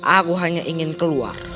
aku hanya ingin keluar